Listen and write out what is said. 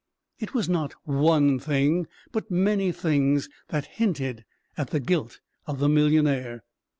It was not one thing, but many things, that hinted at the guilt of the millionaire.